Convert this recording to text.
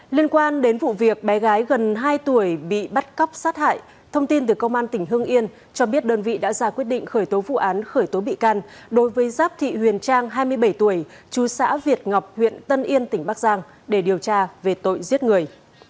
liên quan đến vụ việc bé gái gần hai tuổi bị bắt cóc sát hại thông tin từ công an tỉnh hương yên cho biết đơn vị đã ra quyết định khởi tố vụ án khởi tố bị can đối với giáp thị huyền trang hai mươi bảy tuổi chú xã việt ngọc huyện tân yên tỉnh bắc giang để điều tra về tội giết người